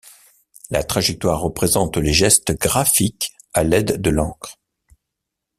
La trajectoire représente les gestes graphiques à l’aide de l’encre.